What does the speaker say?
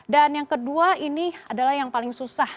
dan yang kedua ini adalah yang paling susah